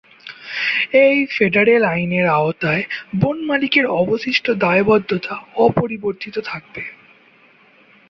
এই ফেডারেল আইনের আওতায় বন মালিকের অবশিষ্ট দায়বদ্ধতা অপরিবর্তিত থাকবে।